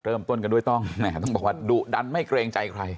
เริ่มต้นกันด้วยต้องแหมต้องบอกว่าดุดันไม่เกรงใจใคร